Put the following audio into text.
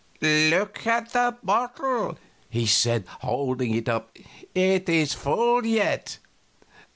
"Look at the bottle," he said, holding it up; "it is full yet!"